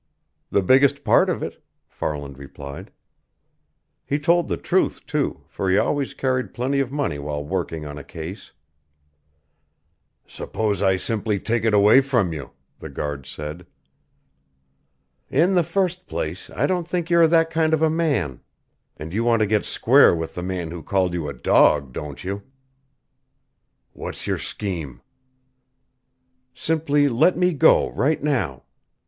"The biggest part of it," Farland replied. He told the truth, too, for he always carried plenty of money while working on a case. "Suppose I simply take it away from you," the guard said. "In the first place, I don't think you are that kind of a man. And you want to get square with the man who called you a dog, don't you?" "What's your scheme?" "Simply let me go, right now.